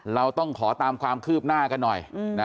เราต้องขอตามความคืบหน้ากันหน่อย